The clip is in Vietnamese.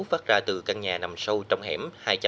phát ra từ căn nhà nằm sâu trong hẻm